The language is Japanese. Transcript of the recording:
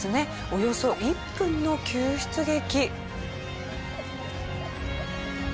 およそ１分の救出劇。